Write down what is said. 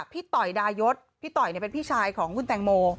ต่อยดายศพี่ต่อยเป็นพี่ชายของคุณแตงโม